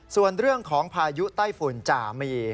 ส่วนเรื่องของพายุไต้ฝุ่นจ่ามี